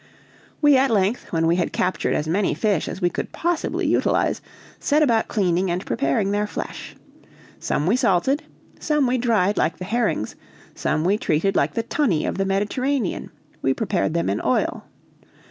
We at length, when we had captured as many fish as we could possibly utilize, set about cleaning and preparing their flesh. Some we salted, some we dried like the herrings, some we treated like the tunny of the Mediterranean we prepared them in oil.